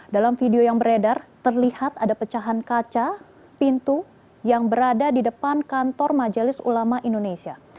dalam video yang beredar terlihat ada pecahan kaca pintu yang berada di depan kantor majelis ulama indonesia